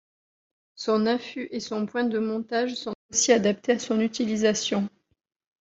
Son affût et son point de montage sont aussi adaptés à son utilisation.